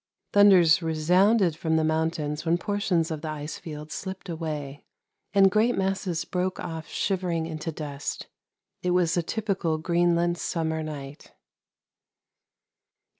Thunders resounded from the mountains when portions of the ice fields slipped away, and great masses broke off shivering into dust. It was a typical Green land summer night.